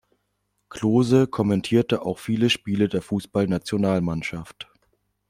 Klose kommentierte auch viele Spiele der Fußballnationalmannschaft.